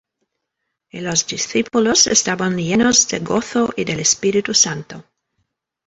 Y los discípulos estaban llenos de gozo, y del Espíritu Santo.